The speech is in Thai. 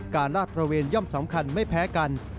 ลาดตระเวนย่อมสำคัญไม่แพ้กัน